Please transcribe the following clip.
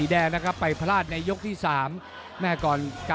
มั่นใจว่าจะได้แชมป์ไปพลาดโดนในยกที่สามครับเจอหุ้กขวาตามสัญชาตยานหล่นเลยครับ